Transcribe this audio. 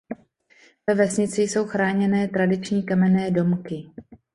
Ve vesnici jsou chráněné tradiční kamenné domky.